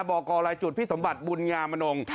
บกลจุดอิสสมบัติบุญงามมนง